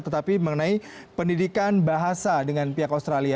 tetapi mengenai pendidikan bahasa dengan pihak australia